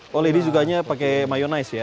boleh di juga pakai mayonnaise ya